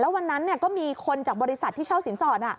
วันนั้นก็มีคนจากบริษัทที่เช่าสินสอด